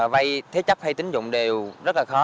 vay thế chấp hay tín dụng đều rất là khó